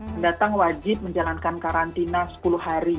pendatang wajib menjalankan karantina sepuluh hari